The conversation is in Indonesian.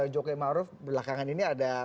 jokowi maruf belakangan ini ada